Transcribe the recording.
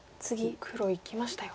黒いきましたよ。